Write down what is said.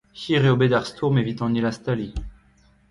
Hir eo bet ar stourm evit an hilastaliñ.